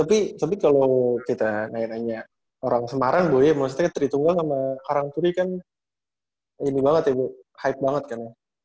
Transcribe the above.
oke ging tapi kalau kita nanya nanya orang semarang gue maksudnya tri tunggal sama karangkuri kan ini banget ya hype banget kan ya